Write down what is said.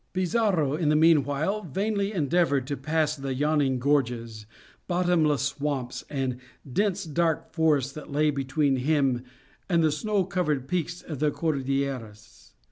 Pizarro in the meanwhile vainly endeavored to pass the yawning gorges, bottomless swamps, and dense dark forests that lay between him and the snow covered peaks of the Cordilleras.